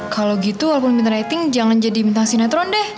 kalau gitu walaupun bintang rating jangan jadi bintang sinetron deh